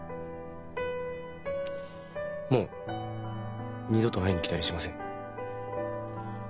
もう二度と会いに来たりしません。